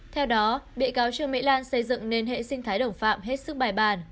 theo đó bị cáo trương mỹ lan xây dựng nên hệ sinh thái đồng phạm hết sức bài bàn